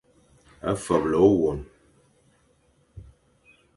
Feble ôwôn.